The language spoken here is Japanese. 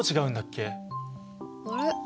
あれ？